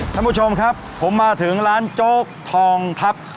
ท่านผู้ชมครับผมมาถึงร้านโจ๊กทองทัพ